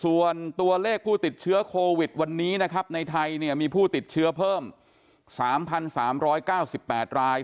ส่วนตัวเลขผู้ติดเชื้อโควิดวันนี้นะครับในไทยเนี่ยมีผู้ติดเชื้อเพิ่ม๓๓๙๘ราย